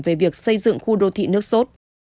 về việc xây dựng khu đô thị nước sốt